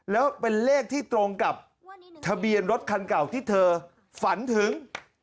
แล้วเป็นเลขที่ตรงกับทะเบียนรถคันเก่าที่เธอฝันถึง